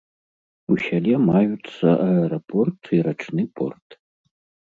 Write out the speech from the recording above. У сяле маюцца аэрапорт і рачны порт.